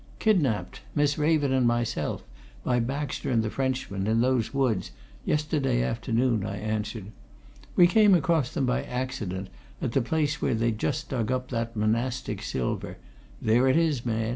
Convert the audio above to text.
"Kidnapped Miss Raven and myself by Baxter and the Frenchman, in those woods, yesterday afternoon," I answered. "We came across them by accident, at the place where they'd just dug up that monastic silver there it is, man!"